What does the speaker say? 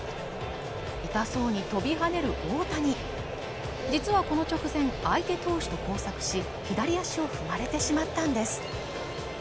痛そうに飛び跳ねる大谷実はこの直前相手投手と交錯し左足を踏まれてしまったんです